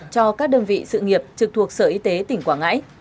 cho các đơn vị sự nghiệp trực thuộc sở y tế tỉnh quảng ngãi